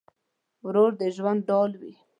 ورور د ژوند ډال وي.